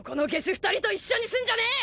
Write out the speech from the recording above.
２人と一緒にすんじゃねえ！